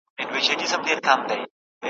لومړۍ خښته کږه وه، دا ماڼۍ به را نړېږي `